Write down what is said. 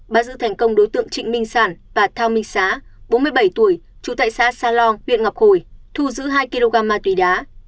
bắt giữ thành công đối tượng trịnh minh sản và thao minh xá bốn mươi bảy tuổi trú tại xã sa lo huyện ngọc hồi thu giữ hai kg ma túy đá